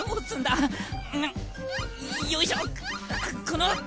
この！